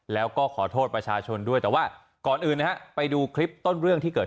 แล้วก็ขอโทษประชาชนด้วยแต่ว่าก่อนอื่นนะฮะไปดูคลิปต้นเรื่องที่เกิด